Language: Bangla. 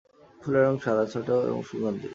ফুলের রং সাদা, ছোট ও সুগন্ধি।